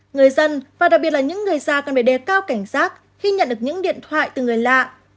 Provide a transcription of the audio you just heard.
người dân và đặc biệt là những người già cần phải đề cao cảnh giác khi nhận được những điện thoại từ người lạ